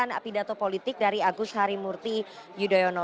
dengan pidato politik dari agus harimurti yudhoyono